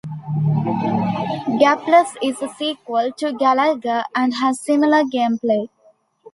"Gaplus" is a sequel to "Galaga" and has similar gameplay.